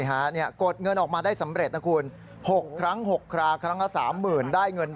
ตั้งแต่เข้าหน้าจ้อใช่ไหม